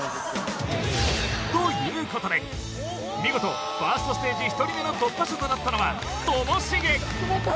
ということで見事１ｓｔステージ１人目の突破者となったのはともしげ止まった！